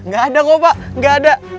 gak ada kok pak gak ada